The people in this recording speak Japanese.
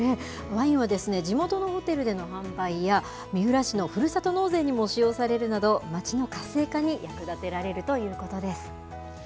ワインは地元のホテルでの販売や、三浦市のふるさと納税にも使用されるなど、街の活性化に役立てられるということです。